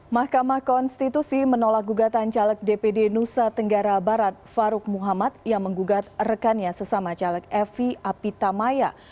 mahkamah konstitusi menolak gugatan caleg dpd nusa tenggara barat farouk muhammad yang menggugat rekannya sesama caleg evi apitamaya